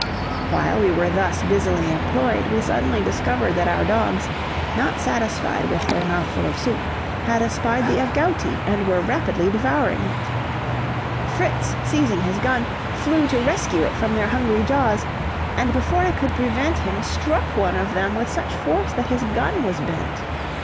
While we were thus busily employed, we suddenly discovered that our dogs, not satisfied with their mouthful of soup, had espied the agouti, and were rapidly devouring it. Fritz, seizing his gun, flew to rescue it from their hungry jaws, and before I could prevent him, struck one of them with such force that his gun was bent.